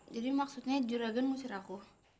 jadi maksudnya juragan ngusir aku